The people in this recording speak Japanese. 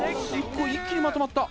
一気にまとまった！